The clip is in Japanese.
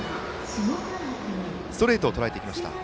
ストレートをとらえていきました。